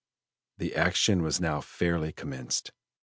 The action was now fairly commenced.